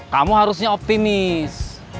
kamu harusnya optimis